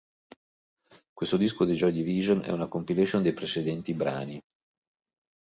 Questo disco dei Joy Division è una compilation dei precedenti brani.